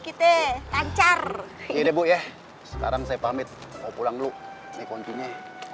kita kancar iya deh bu ya sekarang saya pamit mau pulang dulu ini kuncinya